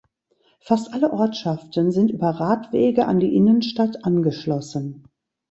Fast alle Ortschaften sind über Radwege an die Innenstadt angeschlossen.